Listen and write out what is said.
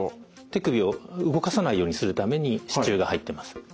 手首を動かさないようにするために支柱が入ってます。